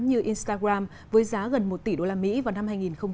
như instagram với giá gần một tỷ usd vào năm hai nghìn một mươi năm